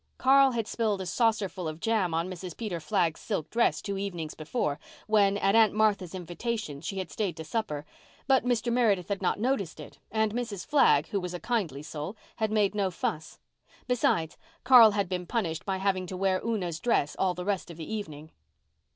Carl had spilled a saucerful of jam on Mrs. Peter Flagg's silk dress two evenings before, when, at Aunt Martha's invitation, she had stayed to supper. But Mr. Meredith had not noticed it, and Mrs. Flagg, who was a kindly soul, had made no fuss. Besides, Carl had been punished by having to wear Una's dress all the rest of the evening.